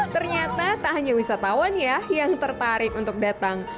ternyata tak hanya wisatawan ya yang tertarik untuk datang